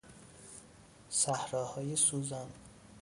صحراهای سوزان